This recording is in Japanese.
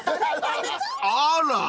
［あら］